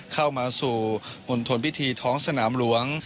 เข้ามาสู่มณฑลพิธีท้องสนามหลวง